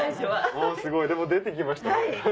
おすごいでも出てきました。